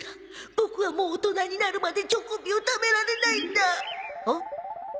ボクはもう大人になるまでチョコビを食べられないんだお？